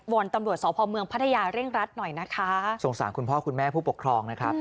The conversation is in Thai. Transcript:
อนตำรวจสพเมืองพัทยาเร่งรัดหน่อยนะคะสงสารคุณพ่อคุณแม่ผู้ปกครองนะครับ